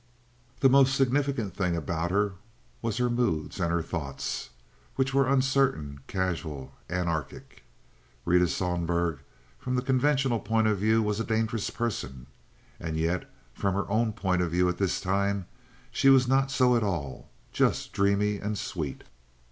The most significant thing about her was her moods and her thoughts, which were uncertain, casual, anarchic. Rita Sohlberg, from the conventional point of view, was a dangerous person, and yet from her own point of view at this time she was not so at all—just dreamy and sweet.